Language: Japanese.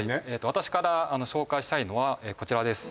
私から紹介したいのはこちらです